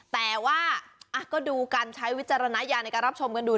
แต่ว่าก็ดูกันใช้วิจารณญาณในการรับชมกันดู